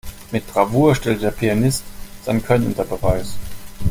Mit Bravour stellte der Pianist sein Können unter Beweis.